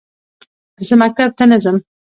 زه مکتب ته نه ځم